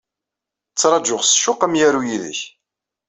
Ttṛajuɣ s ccuq amyaru yid-k.